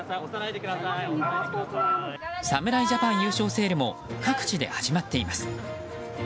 侍ジャパン優勝セールも各地で始まっています。